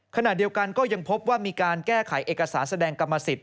ขณะเดียวกันก็ยังพบว่ามีการแก้ไขเอกสารแสดงกรรมสิทธิ